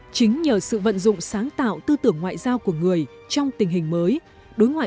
chính nhờ sự vận dụng sáng tạo tư tưởng ngoại giao của người trong tình hình mới